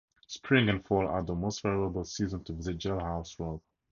Spring and fall are the most favorable seasons to visit Jailhouse Rock.